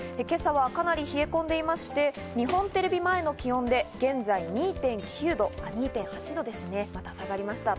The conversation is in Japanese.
今朝はかなり冷え込んでいまして、日本テレビ前の気温で、現在２．８度です。